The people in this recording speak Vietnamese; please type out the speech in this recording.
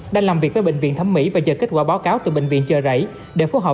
đang làm việc với bệnh viện thẩm mỹ và chờ kết quả báo cáo từ bệnh viện chợ rẫy để phối hợp